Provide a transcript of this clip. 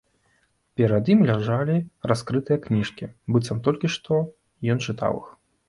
Перад ім ляжалі раскрытыя кніжкі, быццам толькі што ён чытаў іх.